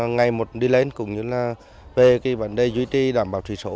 ngày một đi lên cũng như là về cái vấn đề duy trì đảm bảo chỉ số